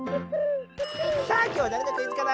さあ今日はだれのクイズかな？